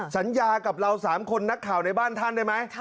สัญญากับเรา๓คนนักข่าวในบ้านท่านได้ไหม